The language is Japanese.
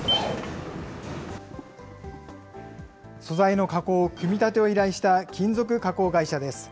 素材の加工・組み立てを依頼した金属加工会社です。